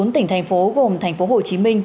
một mươi bốn tỉnh thành phố gồm thành phố hồ chí minh